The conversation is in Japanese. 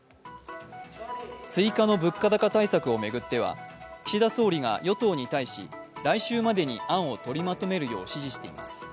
追加の物価高対策を巡っては岸田総理が与党に対し来週までに案を取りまとめるよう指示しています。